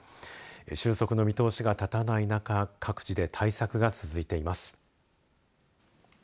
収束の見通しが立たない中各地で対策が続いています。